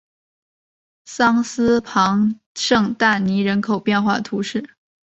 桑斯旁圣但尼人口变化图示